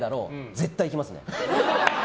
絶対行きますね。